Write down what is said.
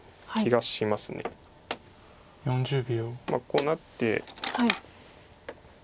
こうなって。